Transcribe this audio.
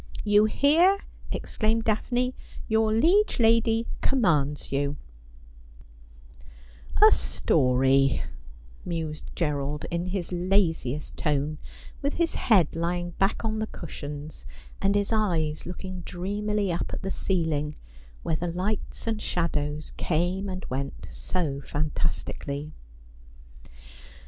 ' You hear,' exclaimed Daphne. ' Your liege lady commands ' A story,' mused Gerald in his laziest tone, with his head lying back on the cushions, and his eyes looking dreamily up at the ceiling, where the lights and shadows came and went so fantastically.